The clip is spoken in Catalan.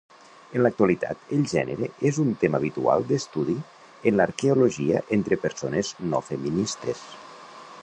En l'actualitat, el gènere és un tema habitual d'estudi en l'arqueologia entre persones no feministes.